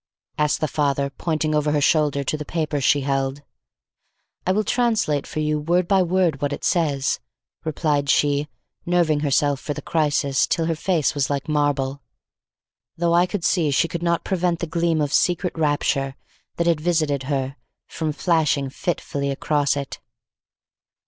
asked the father, pointing over her shoulder to the paper she held. "I will translate for you word by word what it says," replied she, nerving herself for the crisis till her face was like marble, though I could see she could not prevent the gleam of secret rapture that had visited her, from flashing fitfully across it.